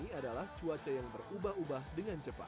ini adalah cuaca yang berubah ubah dengan cepat